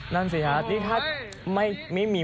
นั่นสิฮะนี่ถ้าไม่มี